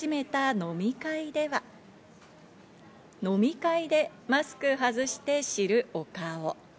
「飲み会でマスク外して知るお顔」。